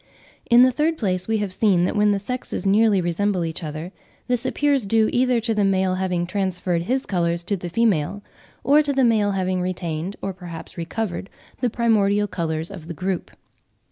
In the third place, we have seen that when the sexes nearly resemble each other, this appears due either to the male having transferred his colours to the female, or to the male having retained, or perhaps recovered, the primordial colours of the group.